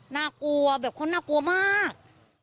น่ากลัวแบบคนน่ากลัวมาก